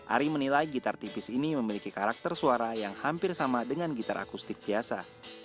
ari menilai gitar tipis ini memiliki karakter suara yang hampir sama dengan gitar akustik biasa